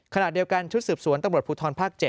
ขณะเดียวกันชุดสืบสวนตำรวจภูทรภาค๗